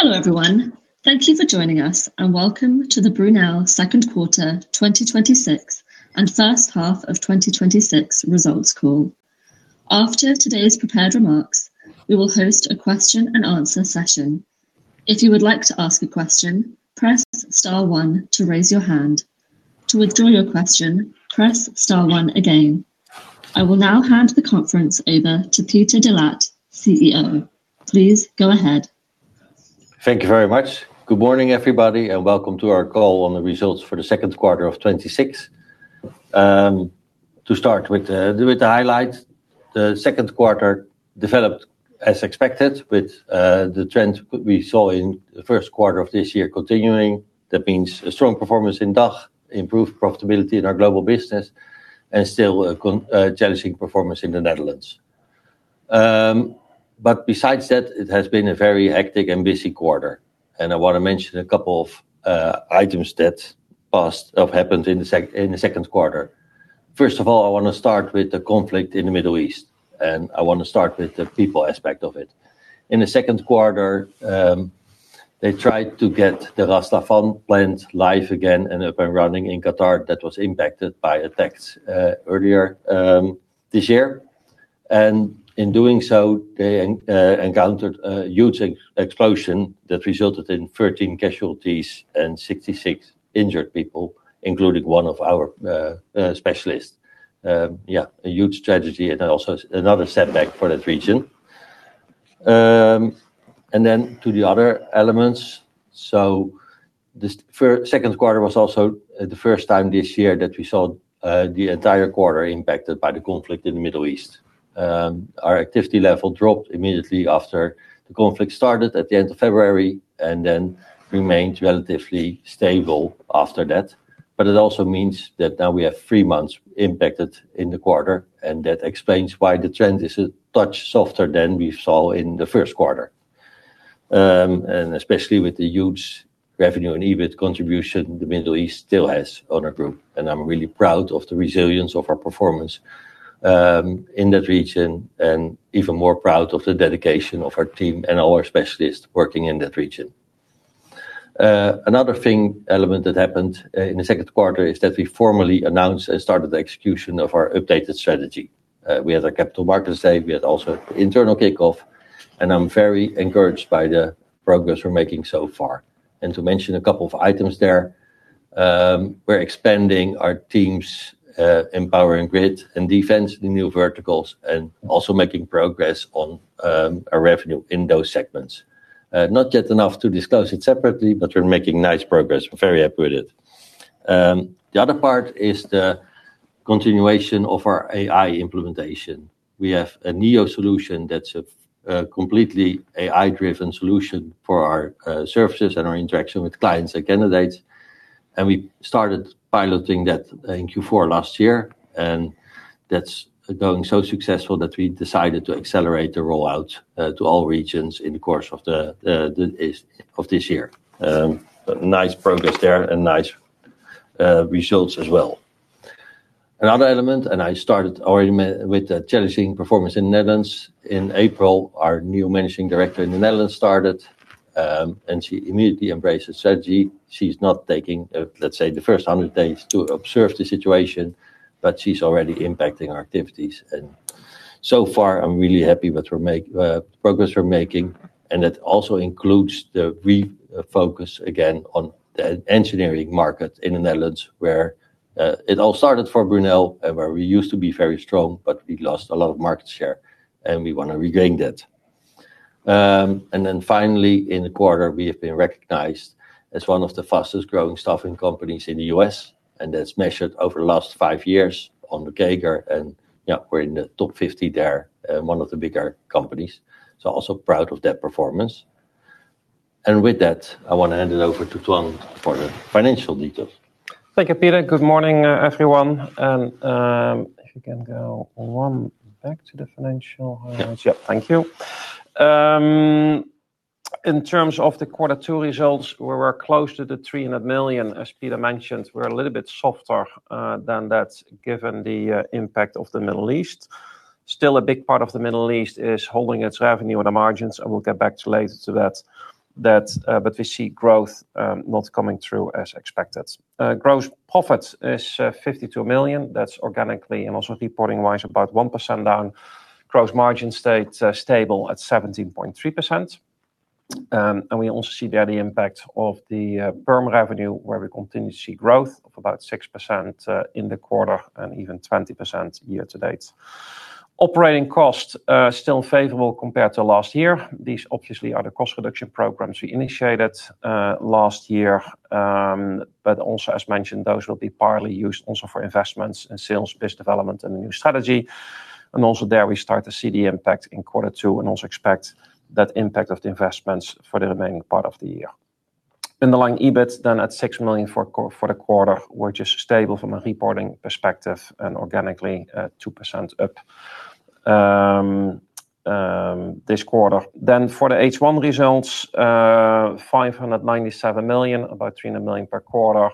Hello, everyone. Thank you for joining us, and welcome to the Brunel second quarter 2026 and first half of 2026 results call. After today's prepared remarks, we will host a Q&A session. If you would like to ask a question, press star one to raise your hand. To withdraw your question, press star one again. I will now hand the conference over to Peter de Laat, CEO. Please go ahead. Thank you very much. Good morning, everybody, and welcome to our call on the results for the second quarter of 2026. To start with the highlights, the second quarter developed as expected with the trends we saw in the first quarter of this year continuing. That means a strong performance in DACH, improved profitability in our global business, and still a challenging performance in the Netherlands. Besides that, it has been a very hectic and busy quarter. I want to mention a couple of items that happened in the second quarter. First of all, I want to start with the conflict in the Middle East, and I want to start with the people aspect of it. In the second quarter, they tried to get the Ras Laffan plant live again and up and running in Qatar that was impacted by attacks earlier this year. In doing so, they encountered a huge explosion that resulted in 13 casualties and 66 injured people, including one of our specialists. A huge tragedy and also another setback for that region. To the other elements. The second quarter was also the first time this year that we saw the entire quarter impacted by the conflict in the Middle East. Our activity level dropped immediately after the conflict started at the end of February, and remained relatively stable after that. It also means that now we have three months impacted in the quarter, and that explains why the trend is a touch softer than we saw in the first quarter. Especially with the huge revenue and EBIT contribution, the Middle East still has on our group, and I'm really proud of the resilience of our performance in that region, and even more proud of the dedication of our team and our specialists working in that region. Another element that happened in the second quarter is that we formally announced and started the execution of our updated strategy. We had our Capital Markets Day, we had also internal kickoff, and I'm very encouraged by the progress we're making so far. To mention a couple of items there, we're expanding our teams, Power and Grid and Defence, the new verticals, and also making progress on our revenue in those segments. Not yet enough to discuss it separately, but we're making nice progress. We're very happy with it. The other part is the continuation of our AI implementation. We have a NEO solution that's a completely AI-driven solution for our services and our interaction with clients and candidates. We started piloting that in Q4 last year, and that's going so successful that we decided to accelerate the rollout to all regions in the course of this year. Nice progress there and nice results as well. Another element, I started already with the challenging performance in the Netherlands. In April, our new managing director in the Netherlands started. She immediately embraced the strategy. She's not taking, let's say, the first 100 days to observe the situation, but she's already impacting our activities. So far, I'm really happy with the progress we're making, and that also includes the refocus again on the engineering market in the Netherlands, where it all started for Brunel and where we used to be very strong. We lost a lot of market share and we want to regain that. Finally, in the quarter, we have been recognized as one of the fastest growing staffing companies in the U.S., and that's measured over the last five years on the CAGR. We're in the top 50 there, one of the bigger companies. Also proud of that performance. With that, I want to hand it over to Toine for the financial details. Thank you, Peter. Good morning, everyone. If you can go one back to the financial highlights. Yeah. Yep. Thank you. In terms of the quarter two results, where we're close to 300 million, as Peter mentioned, we're a little bit softer than that given the impact of the Middle East. Still a big part of the Middle East is holding its revenue on the margins. We'll get back later to that. We see growth not coming through as expected. Gross profit is 52 million. That's organically and also reporting-wise, about 1% down. Gross margin stayed stable at 17.3%. We also see there the impact of the perm revenue where we continue to see growth of about 6% in the quarter and even 20% year to date. Operating costs are still favorable compared to last year. These obviously are the cost reduction programs we initiated last year. Also, as mentioned, those will be partly used also for investments in sales, business development and the new strategy. Also there we start to see the impact in quarter two and also expect that impact of the investments for the remaining part of the year. Underlying EBIT at 6 million for the quarter. We're just stable from a reporting perspective and organically at 2% up this quarter. For the H1 results, 597 million, about 300 million per quarter.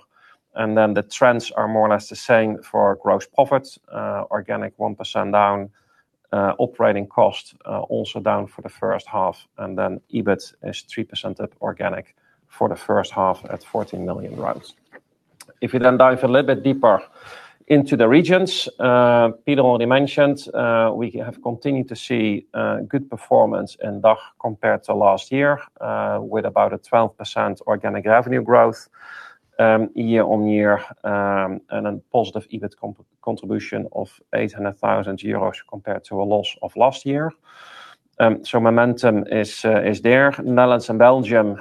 The trends are more or less the same for gross profits, organic 1% down. Operating costs also down for the first half, and then EBIT is 3% up organic for the first half at 14 million. If we then dive a little bit deeper into the regions, Peter already mentioned we have continued to see good performance in DACH compared to last year, with about a 12% organic revenue growth year-on-year and a positive EBIT contribution of 800,000 euros compared to a loss of last year. Momentum is there. Netherlands and Belgium,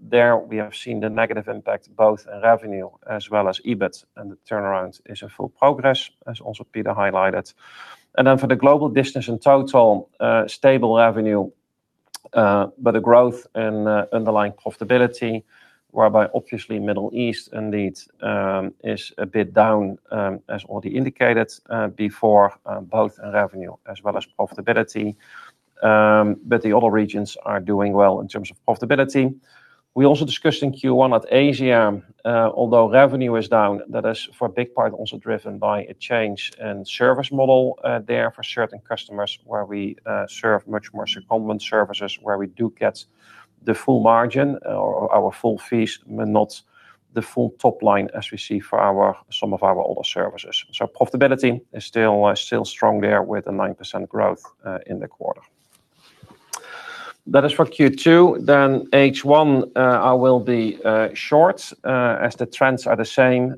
there we have seen the negative impact both in revenue as well as EBIT, and the turnaround is in full progress, as also Peter highlighted. For the global business in total, stable revenue, but a growth in underlying profitability, whereby obviously Middle East indeed is a bit down, as already indicated before, both in revenue as well as profitability. The other regions are doing well in terms of profitability. We also discussed in Q1 that Asia, although revenue is down, that is for a big part also driven by a change in service model there for certain customers where we serve much more secondment services where we do get the full margin or our full fees, but not the full top line as we see for some of our other services. Profitability is still strong there with a 9% growth in the quarter. That is for Q2. H1, I will be short, as the trends are the same,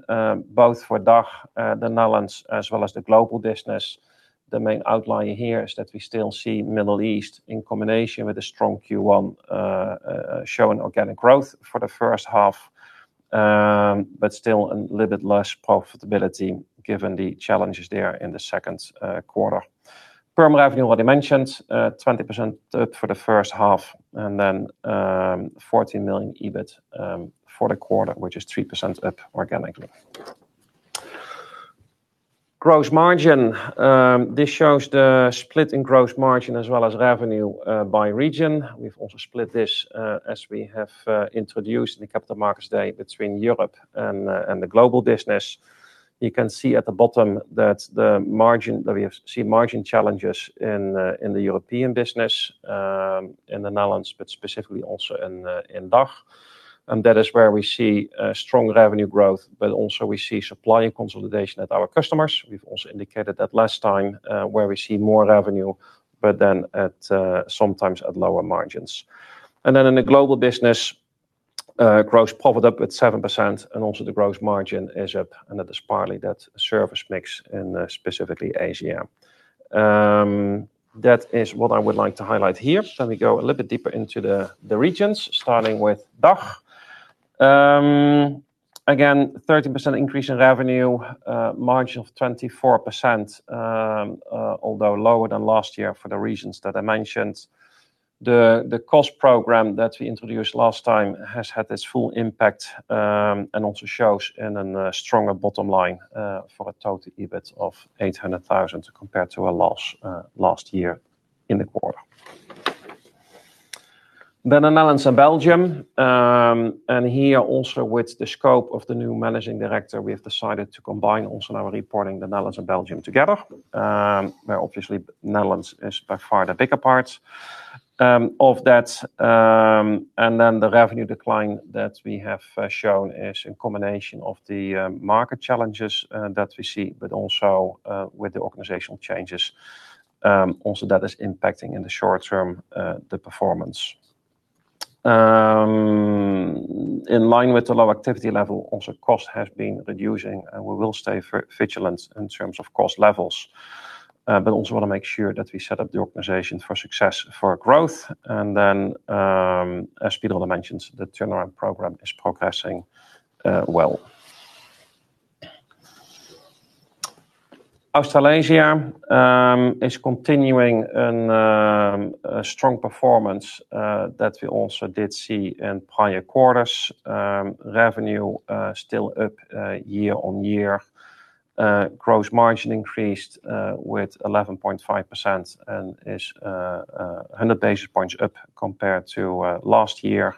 both for DACH, the Netherlands, as well as the global business. The main outlier here is that we still see Middle East in combination with a strong Q1 showing organic growth for the first half, but still a little bit less profitability given the challenges there in the second quarter. Permanent revenue already mentioned, 20% up for the first half and then 14 million EBIT for the quarter, which is 3% up organically. Gross margin. This shows the split in gross margin as well as revenue by region. We've also split this as we have introduced the Capital Markets Day between Europe and the global business. You can see at the bottom that we have seen margin challenges in the European business, in the Netherlands, but specifically also in DACH. That is where we see strong revenue growth, but also we see supply consolidation at our customers. We've also indicated that last time where we see more revenue, but then sometimes at lower margins. In the global business, gross popped up at 7% and also the gross margin is up, and that is partly that service mix in specifically Asia. That is what I would like to highlight here. Let me go a little bit deeper into the regions, starting with DACH. Again, 13% increase in revenue, margin of 24%, although lower than last year for the reasons that I mentioned. The cost program that we introduced last time has had its full impact and also shows in a stronger bottom line for a total EBIT of 800,000 compared to a loss last year in the quarter. The Netherlands and Belgium. Here also with the scope of the new managing director, we have decided to combine also our reporting the Netherlands and Belgium together, where obviously Netherlands is by far the bigger part of that. The revenue decline that we have shown is a combination of the market challenges that we see, but also with the organizational changes. That is impacting in the short term the performance. In line with the low activity level, cost has been reducing, we will stay vigilant in terms of cost levels. Also want to make sure that we set up the organization for success for growth. As Peter mentioned, the turnaround program is progressing well. Australasia is continuing a strong performance that we also did see in prior quarters. Revenue still up year-on-year. Gross margin increased with 11.5% and is 100 basis points up compared to last year.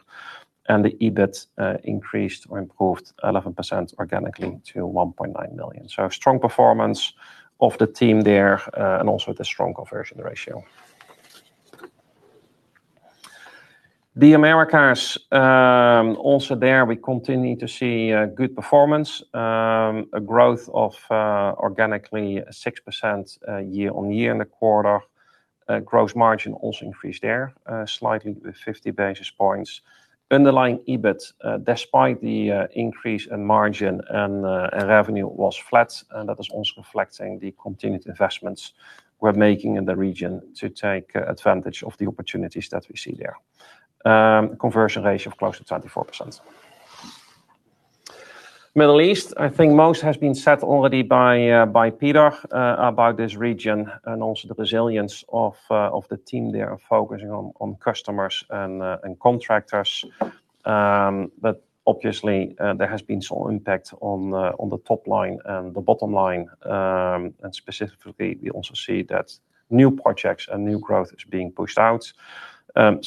The EBIT increased or improved 11% organically to 1.9 million. Strong performance of the team there and also the strong conversion ratio. The Americas, also there, we continue to see good performance, a growth of organically 6% year-on-year in the quarter. Gross margin also increased there slightly with 50 basis points. Underlying EBIT, despite the increase in margin and revenue, was flat, that is also reflecting the continued investments we're making in the region to take advantage of the opportunities that we see there. Conversion ratio of close to 24%. Middle East, I think most has been said already by Peter about this region and also the resilience of the team there focusing on customers and contractors. Obviously, there has been some impact on the top line and the bottom line. Specifically, we also see that new projects and new growth is being pushed out.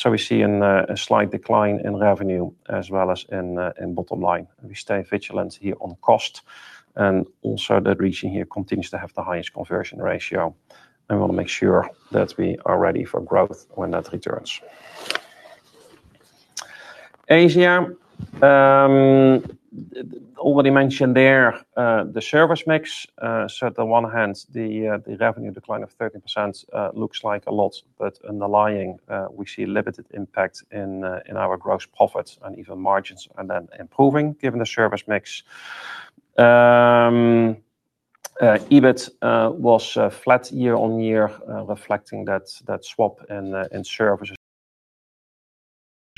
We see a slight decline in revenue as well as in bottom line. We stay vigilant here on cost, also that region here continues to have the highest conversion ratio, we want to make sure that we are ready for growth when that returns. Asia. Already mentioned there, the service mix. On one hand, the revenue decline of 30% looks like a lot, underlying, we see limited impact in our gross profits and even margins are then improving given the service mix. EBIT was flat year-on-year, reflecting that swap in services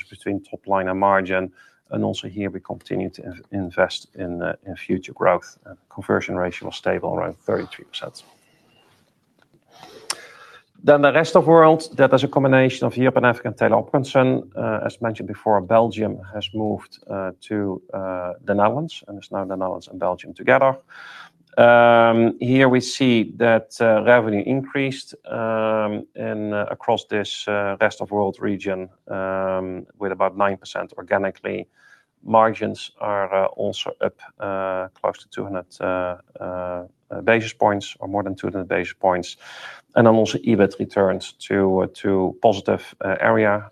between top line and margin. Also here we continue to invest in future growth. Conversion ratio was stable around 33%. The rest of world, that is a combination of Europe and African Telecommunications. As mentioned before, Belgium has moved to the Netherlands, it's now the Netherlands and Belgium together. Here we see that revenue increased across this rest of world region with about 9% organically. Margins are also up close to 200 basis points or more than 200 basis points. Also EBIT returns to positive area,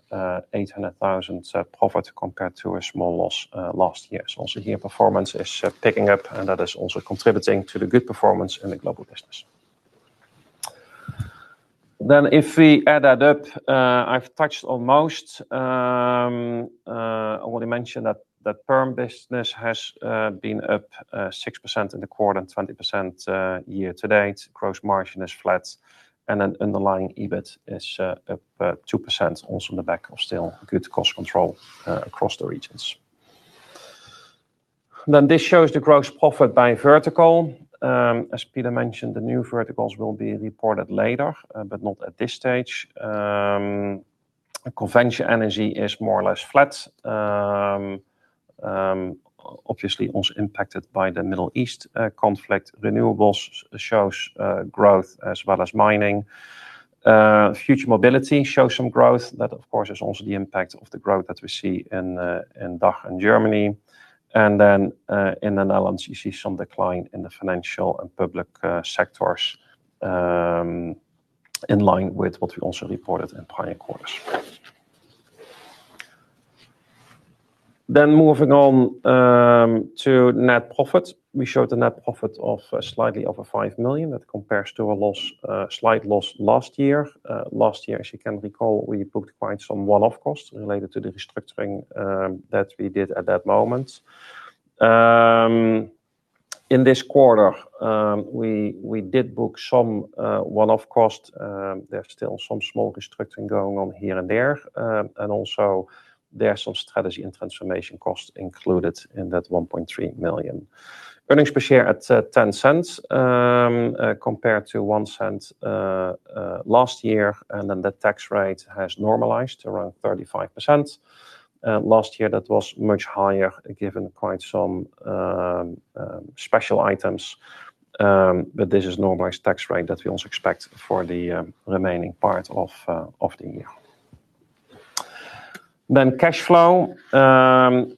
800,000 profit compared to a small loss last year. Also here performance is picking up and that is also contributing to the good performance in the global business. If we add that up, I've touched on most. I already mentioned that perm business has been up 6% in the quarter and 20% year-to-date. Gross margin is flat, underlying EBIT is up 2% also on the back of still good cost control across the regions. This shows the gross profit by vertical. As Peter mentioned, the new verticals will be reported later, but not at this stage. Conventional energy is more or less flat, obviously also impacted by the Middle East conflict. Renewables shows growth as well as mining. Future mobility shows some growth. That, of course, is also the impact of the growth that we see in DACH and Germany. In the Netherlands, you see some decline in the financial and public sectors, in line with what we also reported in prior quarters. Moving on to net profit. We showed a net profit of slightly over 5 million. That compares to a slight loss last year. Last year, as you can recall, we booked quite some one-off costs related to the restructuring that we did at that moment. In this quarter, we did book some one-off cost. There's still some small restructuring going on here and there. Also there are some strategy and transformation costs included in that 1.3 million. Earnings per share at 0.10, compared to 0.01 last year, the tax rate has normalized to around 35%. Last year, that was much higher given quite some special items. This is normalized tax rate that we also expect for the remaining part of the year. Cash flow.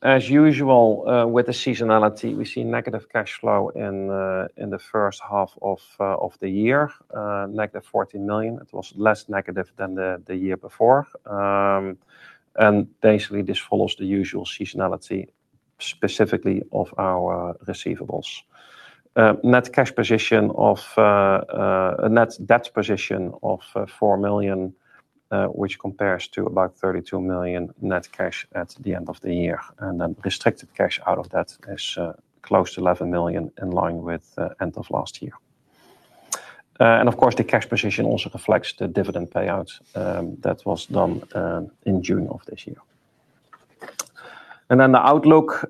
As usual with the seasonality, we see negative cash flow in the first half of the year, -14 million. It was less negative than the year before. Basically, this follows the usual seasonality, specifically of our receivables. Net debt position of 4 million, which compares to about 32 million net cash at the end of the year. Restricted cash out of that is close to 11 million, in line with the end of last year. Of course, the cash position also reflects the dividend payout that was done in June of this year. The outlook,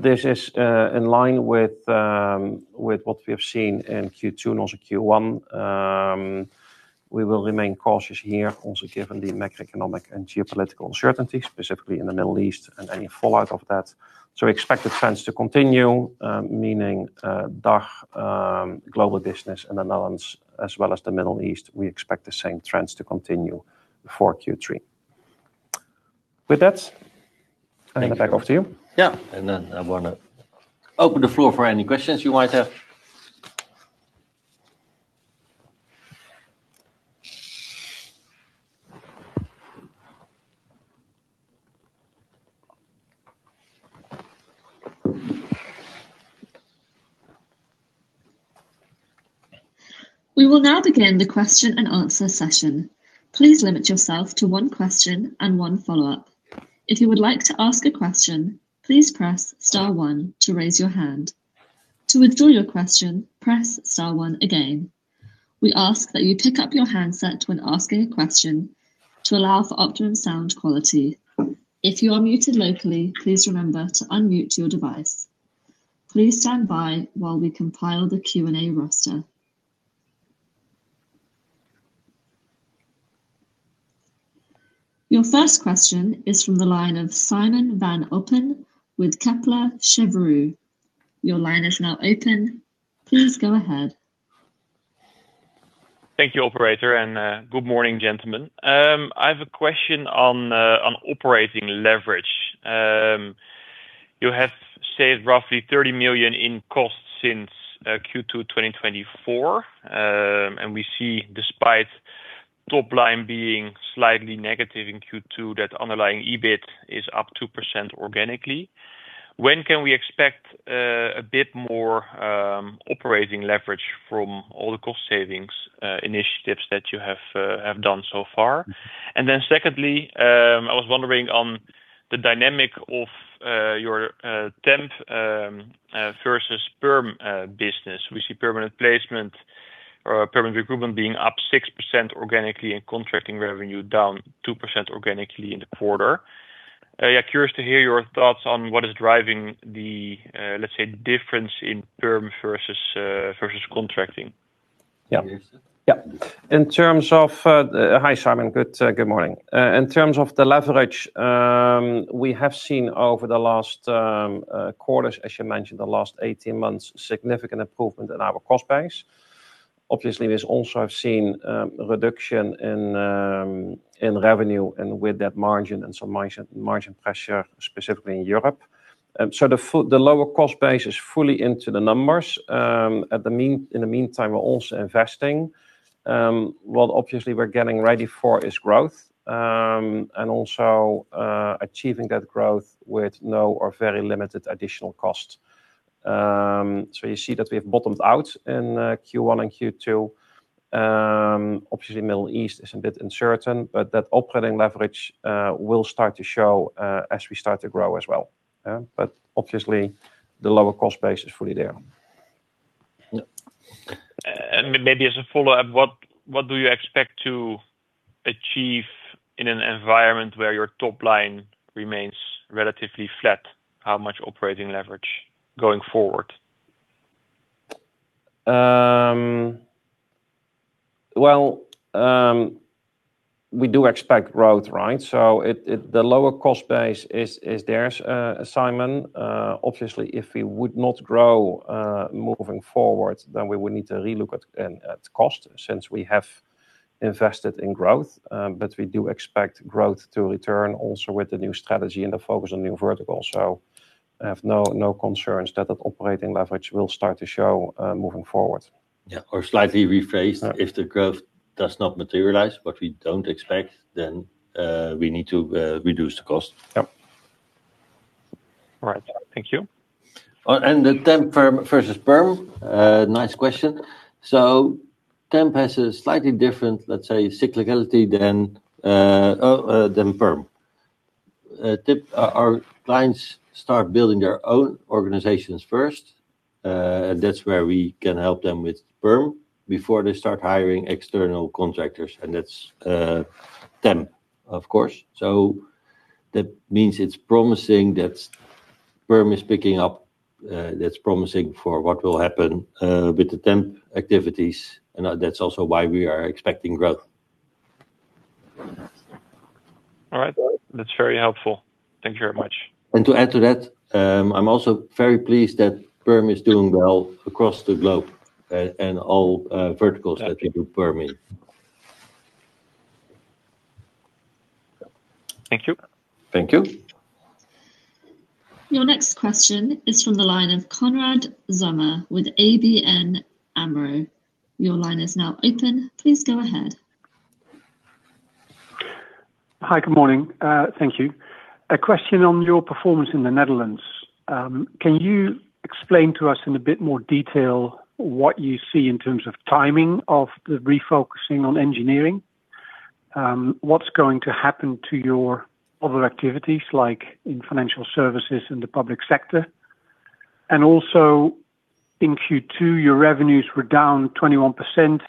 this is in line with what we have seen in Q2 and also Q1. We will remain cautious here also given the macroeconomic and geopolitical uncertainty, specifically in the Middle East and any fallout of that. We expect the trends to continue, meaning DACH, global business, and the Netherlands, as well as the Middle East, we expect the same trends to continue for Q3. With that, I hand it back off to you. Yeah. I Want to open the floor for any questions you might have. We will now begin the Q&A session. Please limit yourself to one question and one follow-up. If you would like to ask a question, please press star one to raise your hand. To withdraw your question, press star one again. We ask that you pick up your handset when asking a question to allow for optimum sound quality. If you are muted locally, please remember to unmute your device. Please stand by while we compile the Q&A roster. Your first question is from the line of Simon van Oppen with Kepler Cheuvreux. Your line is now open. Please go ahead. Thank you operator. Good morning, gentlemen. I have a question on operating leverage. You have saved roughly 30 million in costs since Q2 2024, we see despite top line being slightly negative in Q2, that underlying EBIT is up 2% organically. When can we expect a bit more operating leverage from all the cost savings initiatives that you have done so far? Secondly, I was wondering on the dynamic of your temp versus perm business. We see permanent placement or permanent recruitment being up 6% organically and contracting revenue down 2% organically in the quarter. Yeah, curious to hear your thoughts on what is driving the let's say difference in perm versus contracting. Yeah. Hi Simon, good morning. In terms of the leverage, we have seen over the last quarters, as you mentioned, the last 18 months, significant improvement in our cost base. Obviously there's also a reduction in revenue and with that margin and some margin pressure specifically in Europe. The lower cost base is fully into the numbers. In the meantime, we're also investing. What obviously we're getting ready for is growth, also achieving that growth with no or very limited additional cost. You see that we have bottomed out in Q1 and Q2. Obviously Middle East is a bit uncertain, that operating leverage will start to show as we start to grow as well. Obviously the lower cost base is fully there. Yeah. Maybe as a follow-up, what do you expect to achieve in an environment where your top line remains relatively flat? How much operating leverage going forward? Well, we do expect growth, right? The lower cost base is there, Simon. Obviously if we would not grow, moving forward, then we would need to re-look at cost since we have invested in growth. We do expect growth to return also with the new strategy and the focus on new verticals. I have no concerns that operating leverage will start to show moving forward. Yeah. Slightly rephrased, if the growth does not materialize, what we don't expect, we need to reduce the cost. Yep. All right. Thank you. The temp versus perm, nice question. Temp has a slightly different, let's say, cyclicality than perm. Our clients start building their own organizations first, and that's where we can help them with perm before they start hiring external contractors and that's temp of course. That means it's promising that perm is picking up. That's promising for what will happen with the temp activities, and that's also why we are expecting growth. All right. That's very helpful. Thank you very much. To add to that, I'm also very pleased that perm is doing well across the globe and all verticals that we do perm in. Thank you. Thank you. Your next question is from the line of Konrad Zomer with ABN AMRO. Your line is now open. Please go ahead. Hi. Good morning. Thank you. A question on your performance in the Netherlands. Can you explain to us in a bit more detail what you see in terms of timing of the refocusing on engineering? What's going to happen to your other activities like in financial services and the public sector? Also in Q2, your revenues were down 21%,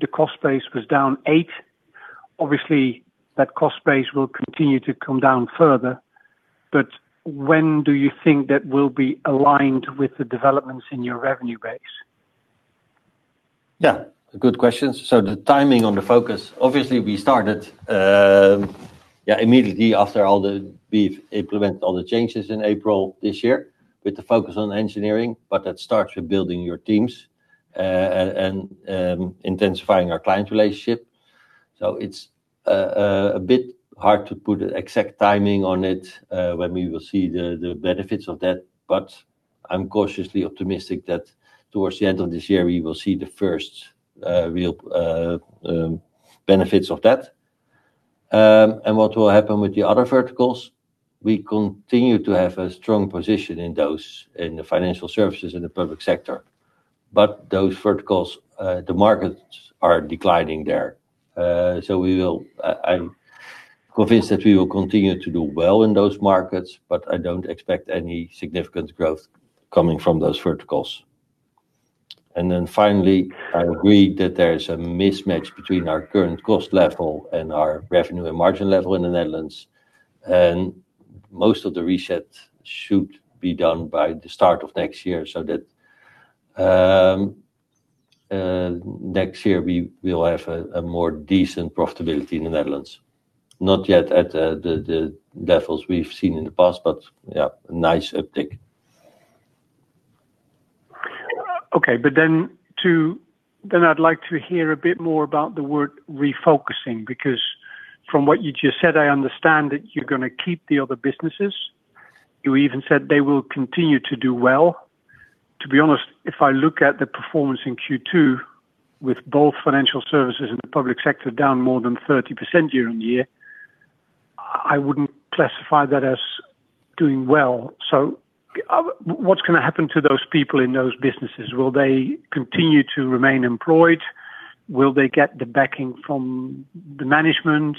the cost base was down 8%. That cost base will continue to come down further, when do you think that will be aligned with the developments in your revenue base? Yeah, good questions. The timing on the focus, we started immediately after we've implemented all the changes in April this year with the focus on engineering, that starts with building your teams, and intensifying our client relationship. It's a bit hard to put an exact timing on it, when we will see the benefits of that, I'm cautiously optimistic that towards the end of this year we will see the first real benefits of that. What will happen with the other verticals? We continue to have a strong position in those, in the financial services and the public sector, those verticals, the markets are declining there. I'm convinced that we will continue to do well in those markets, I don't expect any significant growth coming from those verticals. Finally, I agree that there is a mismatch between our current cost level and our revenue and margin level in the Netherlands, and most of the reset should be done by the start of next year. Next year, we will have a more decent profitability in the Netherlands. Not yet at the levels we've seen in the past, but yeah, nice uptick. Okay. I'd like to hear a bit more about the word refocusing, because from what you just said, I understand that you're going to keep the other businesses. You even said they will continue to do well. To be honest, if I look at the performance in Q2 with both financial services and the public sector down more than 30% year-on-year, I wouldn't classify that as doing well. What's going to happen to those people in those businesses? Will they continue to remain employed? Will they get the backing from the management?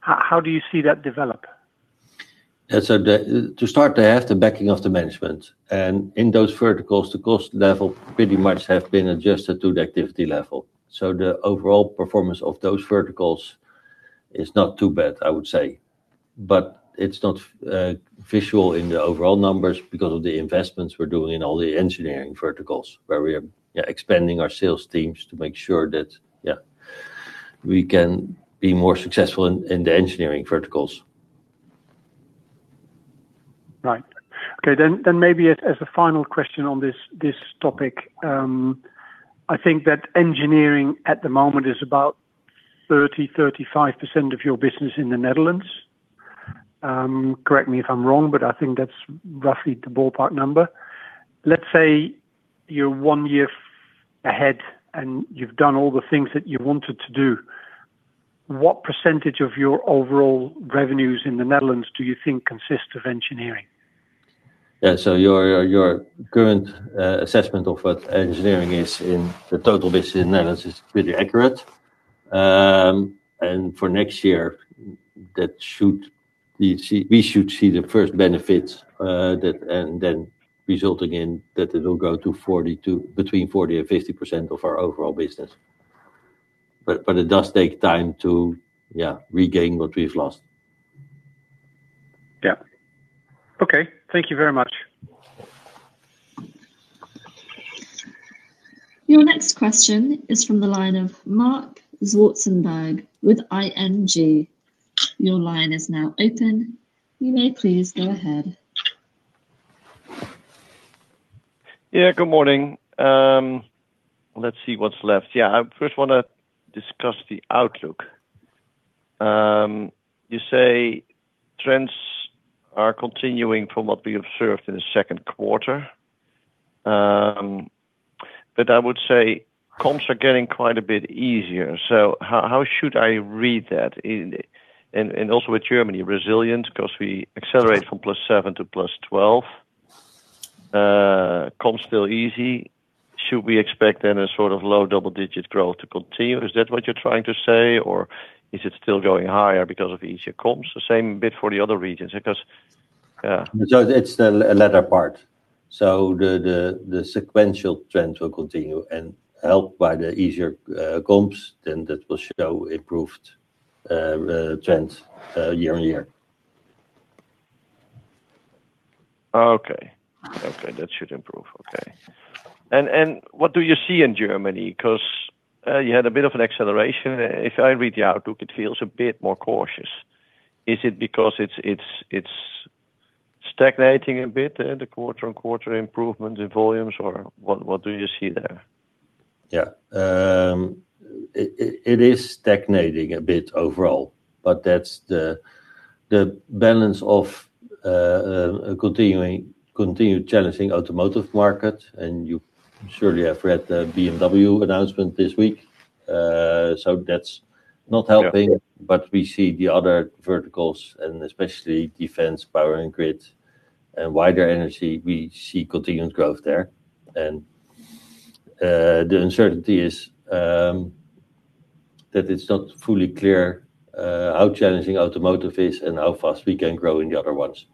How do you see that develop? To start, they have the backing of the management. In those verticals, the cost level pretty much have been adjusted to the activity level. The overall performance of those verticals is not too bad, I would say. It's not visual in the overall numbers because of the investments we're doing in all the engineering verticals where we are expanding our sales teams to make sure that, yeah, we can be more successful in the engineering verticals. Right. Okay, maybe as a final question on this topic. I think that engineering at the moment is about 30%-35% of your business in the Netherlands. Correct me if I'm wrong, but I think that's roughly the ballpark number. Let's say you're one year ahead and you've done all the things that you wanted to do. What percentage of your overall revenues in the Netherlands do you think consists of engineering? Yeah, your current assessment of what engineering is in the total business in Netherlands is pretty accurate. For next year, we should see the first benefits, then resulting in that it will go to between 40%-50% of our overall business. It does take time to, yeah, regain what we've lost. Yeah. Okay. Thank you very much. Your next question is from the line of Marc Zwartsenburg with ING. Your line is now open. You may please go ahead. Yeah, good morning. Let's see what's left. Yeah, I first want to discuss the outlook. You say trends are continuing from what we observed in the second quarter, I would say comps are getting quite a bit easier. How should I read that? Also with Germany, resilient because we accelerate from +7 to +12. Comps still easy. Should we expect a sort of low double-digit growth to continue? Is that what you're trying to say? Is it still going higher because of easier comps? The same bit for the other regions, because, yeah. It's the latter part. The sequential trend will continue and helped by the easier comps, that will show improved trends year-on-year. That should improve. What do you see in Germany? Because, you had a bit of an acceleration. If I read the outlook, it feels a bit more cautious. Is it because it's stagnating a bit, the quarter-on-quarter improvements in volumes, or what do you see there? It is stagnating a bit overall, but that's the balance of a continued challenging automotive market, and you surely have read the BMW announcement this week. That's not helping. Yeah. We see the other verticals and especially Defence, Power, and Grid and wider energy, we see continued growth there. The uncertainty is that it's not fully clear how challenging automotive is and how fast we can grow in the other ones.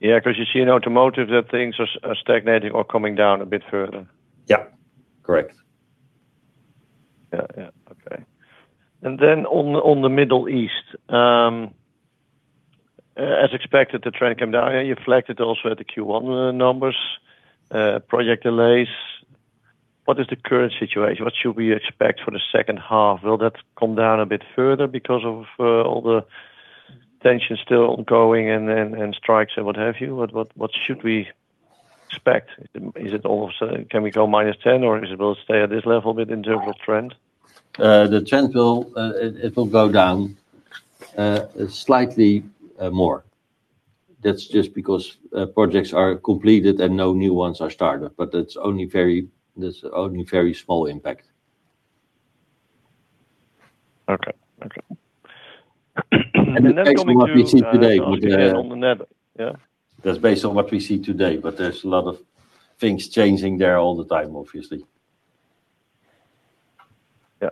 Yeah, because you see in automotive that things are stagnating or coming down a bit further. Yeah. Correct. Yeah. Okay. On the Middle East, as expected, the trend come down. You reflected also at the Q1 numbers, project delays. What is the current situation? What should we expect for the second half? Will that come down a bit further because of all the tension still ongoing and strikes and what have you? What should we expect? Can we go -10% or is it going to stay at this level a bit in terms of trend? The trend, it will go down slightly more. That's just because projects are completed and no new ones are started. That's only very small impact. Okay. Coming to- That's based on what we see today- On the Netherlands, yeah. That's based on what we see today, but there's a lot of things changing there all the time, obviously. Yeah.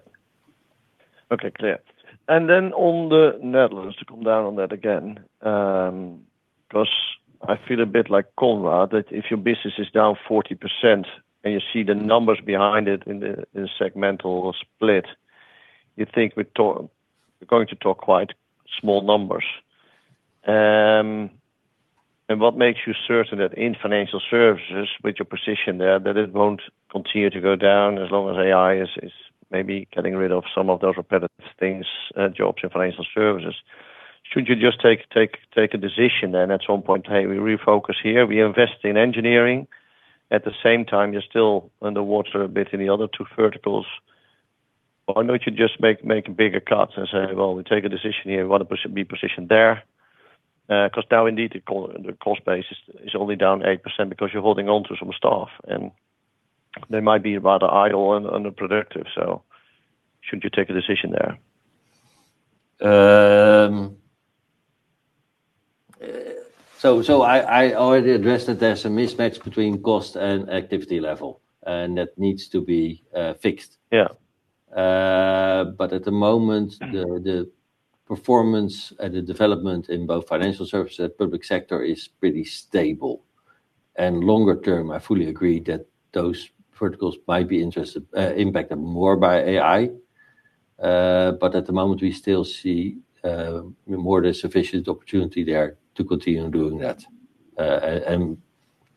Okay, clear. Then on the Netherlands, to come down on that again, because I feel a bit like Konrad, that if your business is down 40% and you see the numbers behind it in the segmental split, you think we're going to talk quite small numbers. What makes you certain that in financial services, with your position there, that it won't continue to go down as long as AI is maybe getting rid of some of those repetitive things, jobs in financial services? Should you just take a decision then at some point, hey, we refocus here, we invest in engineering. At the same time, you're still underwater a bit in the other two verticals. Why don't you just make bigger cuts and say, well, we take a decision here, we want to be positioned there? Now indeed, the cost base is only down 8% because you're holding on to some staff, and they might be rather idle and unproductive, should you take a decision there? I already addressed that there's a mismatch between cost and activity level, that needs to be fixed. Yeah. At the moment, the performance and the development in both financial services and public sector is pretty stable. Longer term, I fully agree that those verticals might be impacted more by AI. At the moment, we still see more than sufficient opportunity there to continue doing that.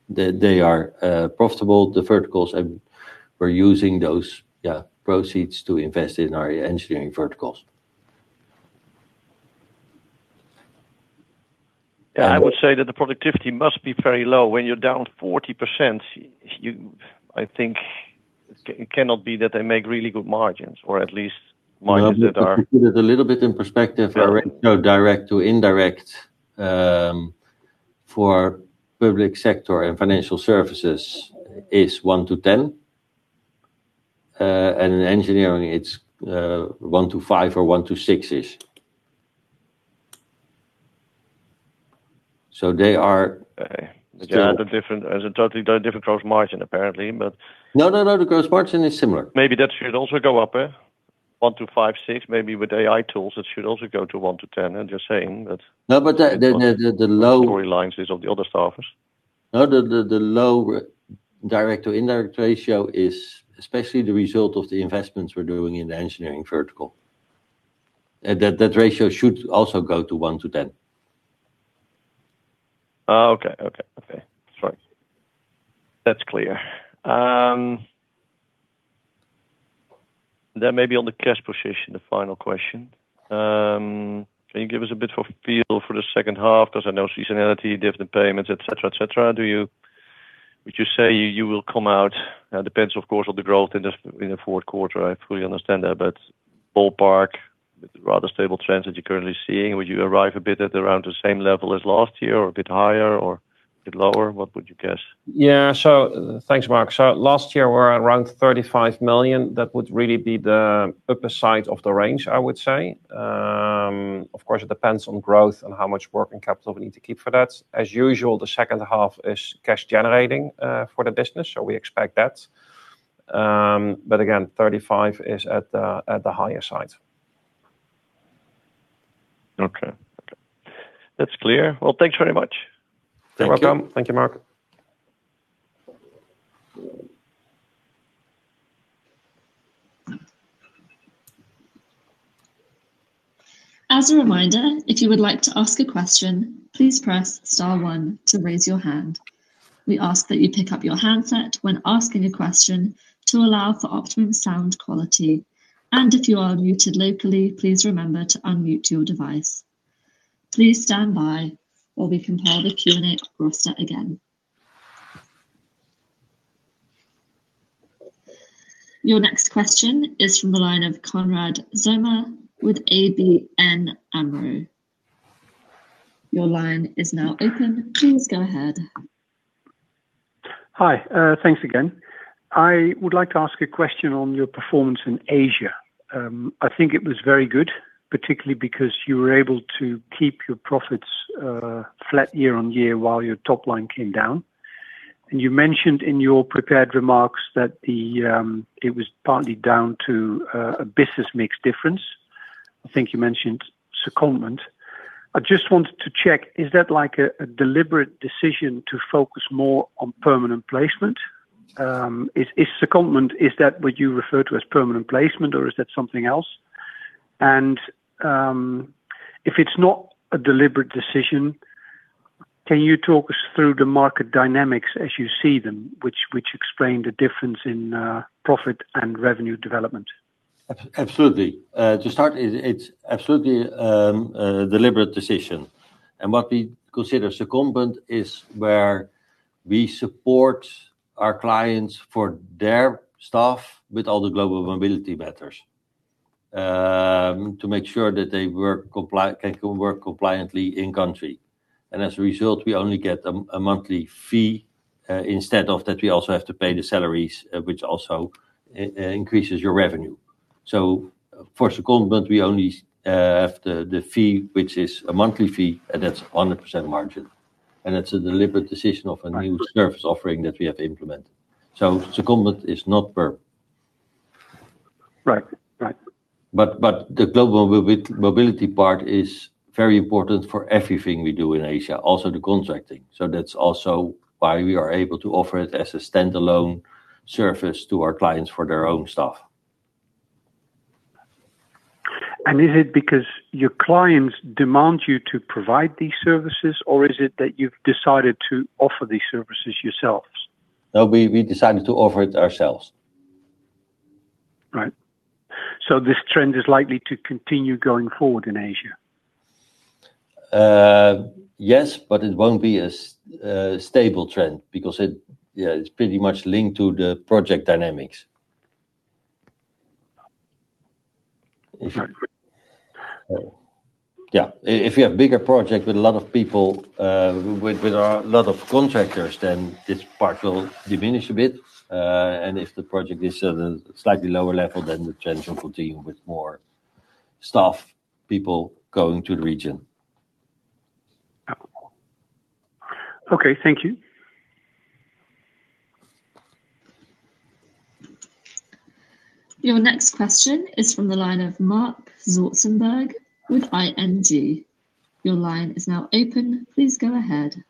They are profitable, the verticals, and we're using those proceeds to invest in our engineering verticals. I would say that the productivity must be very low. When you're down 40%, I think it cannot be that they make really good margins. To put it a little bit in perspective, direct to indirect for public sector and financial services is 1:10. In engineering, it's 1:5 or 1:6-ish. Yeah, there's a totally different gross margin, apparently. No, the gross margin is similar. Maybe that should also go up, 1:5, 6. Maybe with AI tools, it should also go to 1:10. You're saying that- No, the low- [inaudible] is of the other staffers. No, the low direct to indirect ratio is especially the result of the investments we're doing in the engineering vertical. That ratio should also go to 1:10. Okay. That's right. That's clear. Maybe on the cash position, the final question. Can you give us a bit of a feel for the second half? Because I know seasonality, dividend payments, et cetera. Would you say you will come out, depends, of course, on the growth in the fourth quarter, I fully understand that, but ballpark, with the rather stable trends that you're currently seeing, would you arrive a bit at around the same level as last year, or a bit higher or a bit lower? What would you guess? Thanks, Marc. Last year, we were around 35 million. That would really be the upper side of the range, I would say. Of course, it depends on growth and how much working capital we need to keep for that. As usual, the second half is cash generating for the business, we expect that. Again, 35 is at the higher side. Okay. That's clear. Thanks very much. You're welcome. Thank you, Marc. As a reminder, if you would like to ask a question, please press star one to raise your hand. We ask that you pick up your handset when asking a question to allow for optimum sound quality. If you are muted locally, please remember to unmute your device. Please stand by while we compare the Q&A roster again. Your next question is from the line of Konrad Zomer with ABN AMRO. Your line is now open. Please go ahead. Hi. Thanks again. I would like to ask a question on your performance in Asia. I think it was very good, particularly because you were able to keep your profits flat year-on-year while your top line came down. You mentioned in your prepared remarks that it was partly down to a business mix difference. I think you mentioned secondment. I just wanted to check, is that a deliberate decision to focus more on permanent placement? Secondment, is that what you refer to as permanent placement, or is that something else? If it's not a deliberate decision, can you talk us through the market dynamics as you see them, which explain the difference in profit and revenue development? Absolutely. To start, it's absolutely a deliberate decision. What we consider secondment is where we support our clients for their staff with all the global mobility matters, to make sure that they can work compliantly in country. As a result, we only get a monthly fee, instead of that we also have to pay the salaries, which also increases your revenue. For secondment, we only have the fee, which is a monthly fee, and that's 100% margin. It's a deliberate decision of a new service offering that we have implemented. Secondment is not perm. Right. The global mobility part is very important for everything we do in Asia, also the contracting. That's also why we are able to offer it as a standalone service to our clients for their own staff Is it because your clients demand you to provide these services, or is it that you've decided to offer these services yourselves? No, we decided to offer it ourselves. Right. This trend is likely to continue going forward in Asia? Yes, it won't be a stable trend because it's pretty much linked to the project dynamics. Okay, great. Yeah. If you have bigger project with a lot of people, with a lot of contractors, then this part will diminish a bit. If the project is at a slightly lower level, then the trend will continue with more staff, people going to the region. Okay. Thank you. Your next question is from the line of Marc Zwartsenburg with ING. Your line is now open. Please go ahead.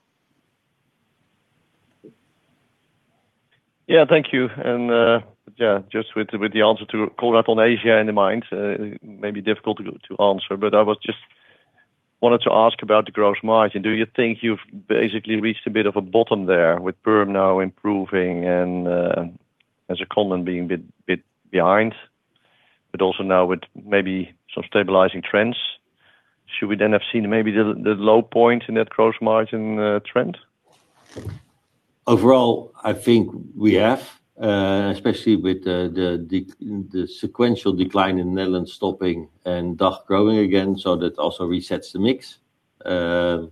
Yeah, thank you. Just with the answer to call out on Asia in mind, it may be difficult to answer, but I just wanted to ask about the gross margin. Do you think you've basically reached a bit of a bottom there with Perm now improving and as a contingent being a bit behind, but also now with maybe some stabilizing trends? Should we have seen maybe the low point in that gross margin trend? Overall, I think we have, especially with the sequential decline in Netherlands stopping and DACH growing again, that also resets the mix. The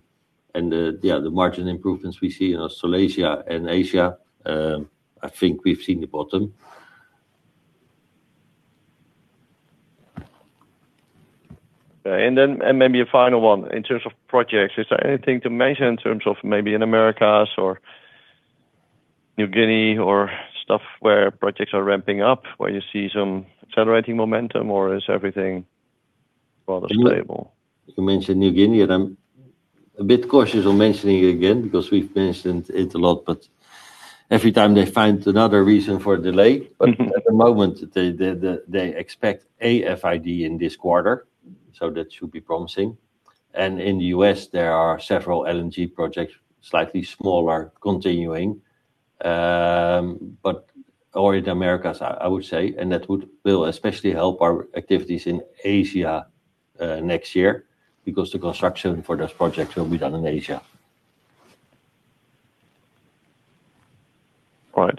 margin improvements we see in Australasia and Asia, I think we've seen the bottom. Maybe a final one. In terms of projects, is there anything to mention in terms of maybe in Americas or New Guinea or stuff where projects are ramping up, where you see some accelerating momentum or is everything rather stable? You mentioned New Guinea. I'm a bit cautious on mentioning it again because we've mentioned it a lot, every time they find another reason for a delay. At the moment, they expect FID in this quarter, that should be promising. In the U.S., there are several LNG projects, slightly smaller, continuing. Already the Americas, I would say, that will especially help our activities in Asia, next year because the construction for those projects will be done in Asia. Right.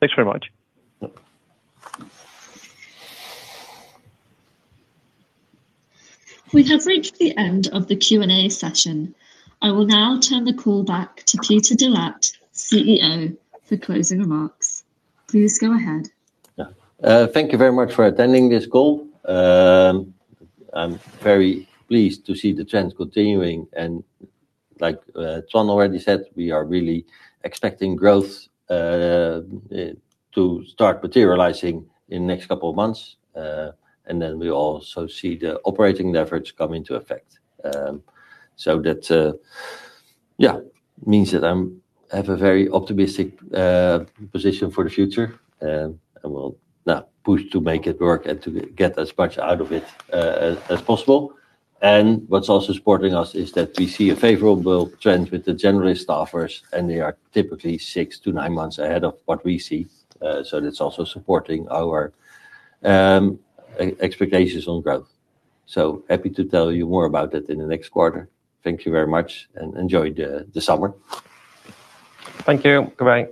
Thanks very much. Yep. We have reached the end of the Q&A session. I will now turn the call back to Peter de Laat, CEO, for closing remarks. Please go ahead. Yeah. Thank you very much for attending this call. I'm very pleased to see the trends continuing. Like Toine already said, we are really expecting growth to start materializing in next couple of months. Then we also see the operating leverage come into effect. That means that I have a very optimistic position for the future, and will now push to make it work and to get as much out of it as possible. What's also supporting us is that we see a favorable trend with the general staffers, and they are typically six to nine months ahead of what we see. That's also supporting our expectations on growth. Happy to tell you more about that in the next quarter. Thank you very much and enjoy the summer. Thank you. Goodbye.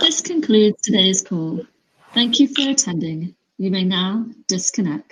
This concludes today's call. Thank you for attending. You may now disconnect.